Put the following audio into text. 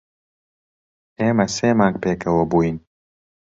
ئێمە سێ مانگ پێکەوە بووین.